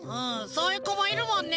そういうこもいるもんね。